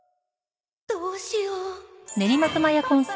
どうしようパパ！